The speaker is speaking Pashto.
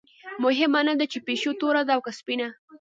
مهمه نه ده چې پیشو توره ده او که سپینه.